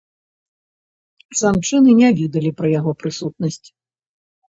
Жанчыны не ведалі пра яго прысутнасць.